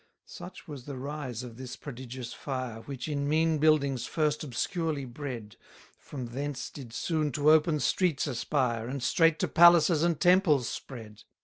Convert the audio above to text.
215 Such was the rise of this prodigious fire, Which, in mean buildings first obscurely bred, From thence did soon to open streets aspire, And straight to palaces and temples spread.